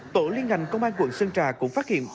tổ liên ngành công an quận sơn trà cũng phát hiện